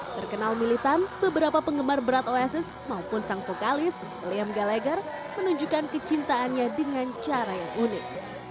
terkenal militan beberapa penggemar berat oss maupun sang vokalis william galeger menunjukkan kecintaannya dengan cara yang unik